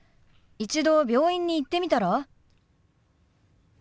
一度病院に行ってみたら？